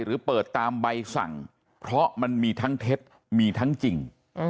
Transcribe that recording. หรือเปิดตามใบสั่งเพราะมันมีทั้งเท็จมีทั้งจริง